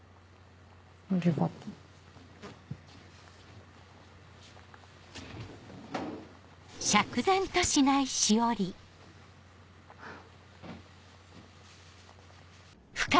ありがとう。ハァ。